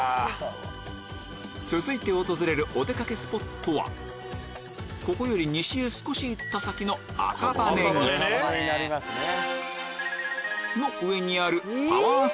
続いて訪れるお出かけスポットはここより西へ少し行った先のへぇ！